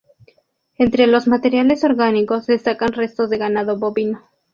Entre los materiales orgánicos destacan restos de ganado bovino.